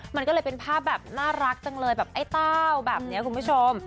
มันก็เลยเป็นภาพแบบน่ารักจังเลยแบบไอ้เต้าแบบนี้คุณผู้ชม